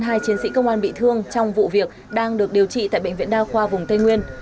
hai chiến sĩ công an bị thương trong vụ việc đang được điều trị tại bệnh viện đa khoa vùng tây nguyên